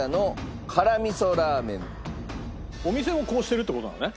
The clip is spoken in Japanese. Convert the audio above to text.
お店もこうしてるって事なんだね。